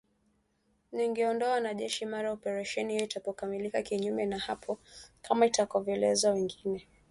lingeondoa wanajeshi mara operesheni hiyo itakapokamilika kinyume na hapo kama itaelekezwa vinginevyo